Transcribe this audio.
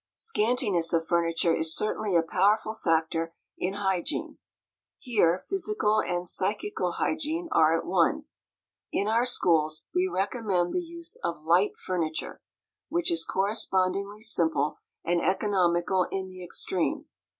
Scantiness of furniture is certainly a powerful factor in hygiene; here physical and psychical hygiene are at one. In our schools we recommend the use of "light" furniture, which is correspondingly simple, and economical in the extreme.